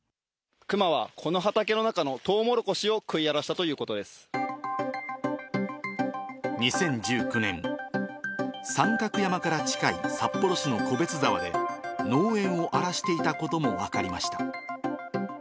クマはこの畑の中のトウモロコシを食い荒らしたということで２０１９年、三角山から近い札幌市の小別沢で、農園を荒らしていたことも分かりました。